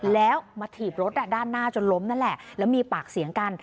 แล้วมาถีบรถด้านหน้าจนล้มนั่นแหละแล้วมีปากเสียงกัน